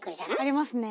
ありますね。